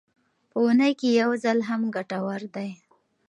په اونۍ کې یو ځل هم ګټور دی.